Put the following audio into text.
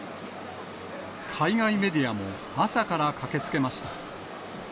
海外メディアも朝から駆けつけました。